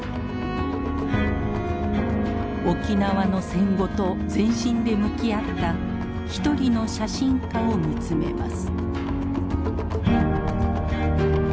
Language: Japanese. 沖縄の戦後と全身で向き合った一人の写真家を見つめます。